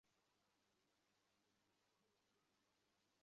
রাস্তাগুলো এত সরু যে, চলতে গেলেই দুধারের দোকান যেন গায়ে লাগে।